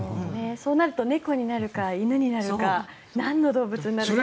そうなると猫になるか犬になるかなんの動物になるか。